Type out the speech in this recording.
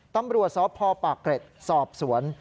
ตำรวจสพปากเกร็ดสอบสวน